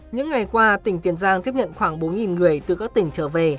những ngày qua tỉnh tiền giang tiếp nhận khoảng bốn người từ các tỉnh trở về